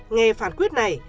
nghe phản quyết này